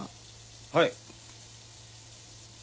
はい。